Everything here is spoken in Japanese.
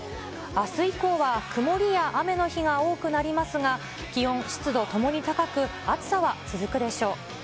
あす以降は曇りや雨の日が多くなりますが、気温、湿度ともに高く、暑さは続くでしょう。